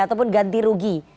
ataupun ganti rugi